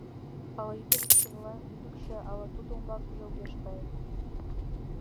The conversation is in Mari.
— Ала ӱдыр икшывылан лӱдыкшӧ, ала тудо умбакыже огеш кае?